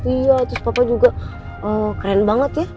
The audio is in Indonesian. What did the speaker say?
iya terus papa juga keren banget ya